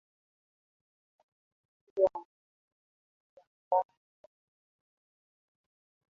nyingine zinaruhusu upanzi na utumizi wa madawa hayo kwa minajili ya matibabu